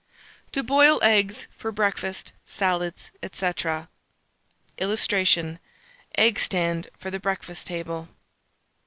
TO BOIL EGGS FOR BREAKFAST, SALADS, &c. [Illustration: EGG STAND FOR THE BREAKFAST TABLE.